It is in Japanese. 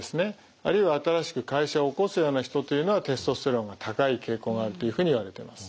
あるいは新しく会社を興すような人というのはテストステロンが高い傾向があるというふうにいわれてます。